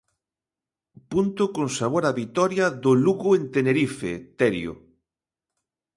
Punto con sabor a vitoria do Lugo en Tenerife, Terio.